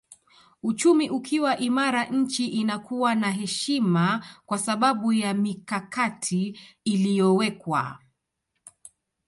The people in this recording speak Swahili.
Uchumi ukiwa imara nchi inakuwa na heshima kwa sababu ya mikakati iliyowekwa